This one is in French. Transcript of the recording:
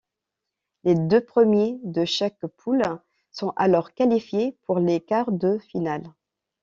Les deux premiers de chaque poule sont alors qualifiés pour les quarts de finale.